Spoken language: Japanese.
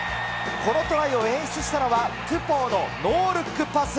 このトライを演出したトゥポーのノールックパス。